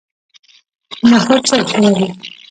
نخود څه ګټه لري؟